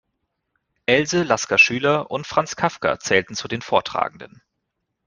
Else Lasker-Schüler und Franz Kafka zählten zu den Vortragenden.